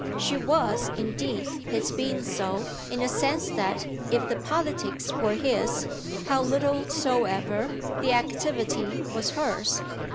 She was indeed his being so in the sense that if the politics were his, how little soever, the activity was hers.